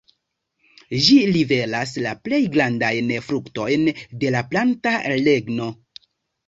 Ĝi liveras la plej grandajn fruktojn de la planta regno.